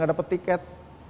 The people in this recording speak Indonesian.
tidak dapat tiket